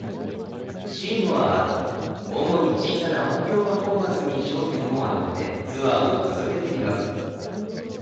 シーモアは、主に小さな音響パフォーマンスに焦点を当ててツアーを続けています。